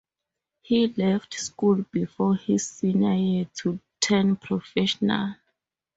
He left school before his senior year to turn professional.